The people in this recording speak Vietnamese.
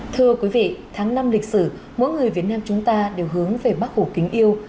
thưa quý vị tháng năm lịch sử mỗi người việt nam chúng ta đều hướng về bác hổ kính yêu